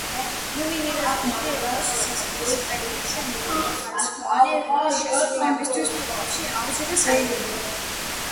ნომინირებული იყო სეზარის პრემიაზე მეორეხარისხოვანი როლის შესრულებისთვის ფილმებში: „აუზი“ და „საიდუმლო“.